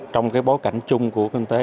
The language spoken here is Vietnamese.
trong cái bối cảnh chung của kinh tế